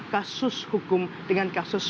kasus hukum dengan kasus